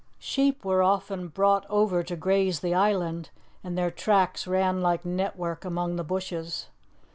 Sheep were often brought over to graze the island, and their tracks ran like network among the bushes.